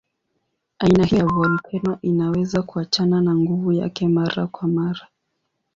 Aina hiyo ya volkeno inaweza kuachana na nguvu yake mara kwa mara.